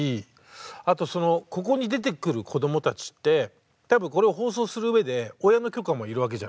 あとここに出てくる子どもたちって多分これを放送するうえで親の許可もいるわけじゃないですか。